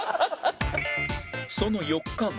その４日後